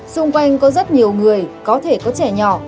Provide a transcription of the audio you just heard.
xung quanh có rất nhiều người có thể có trẻ nhỏ